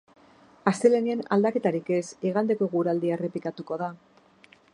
Astelehenean aldaketarik ez, igandeko eguraldia errepikatuko da.